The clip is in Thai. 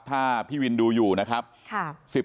ถ้าพี่วินดูอยู่นะครับ